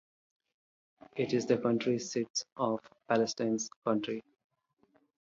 It is the county seat of Pleasants County.